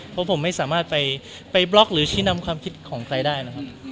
เพราะผมไม่สามารถไปบล็อกหรือชี้นำความคิดของใครได้นะครับ